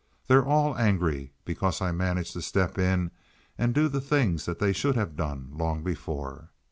They're all angry because I managed to step in and do the things that they should have done long before.